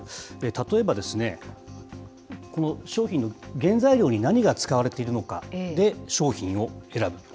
例えばですね、この商品の原材料に何が使われているのかで、商品を選ぶ。